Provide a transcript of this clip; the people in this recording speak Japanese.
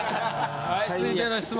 はい続いての質問